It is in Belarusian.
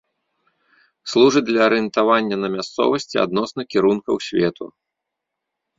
Служыць для арыентавання на мясцовасці адносна кірункаў свету.